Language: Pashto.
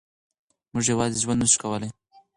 موږ یوازې ژوند نه شو کولای.